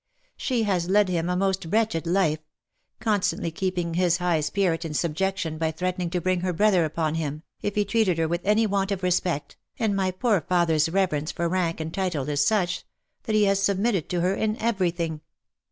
She has led him a most wretched life — constantly keeping his high spirit in subjec tion by threatening to bring her brother upon him, if he treated her with any want of respect, and my poor father's reverence for rank and title is such, that he has submitted to her in every thing.